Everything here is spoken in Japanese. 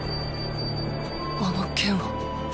あの剣は。